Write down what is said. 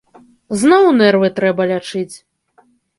Зноў нервы трэба лячыць.